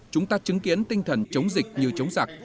chúng ta chứng kiến tinh thần chống dịch như chống giặc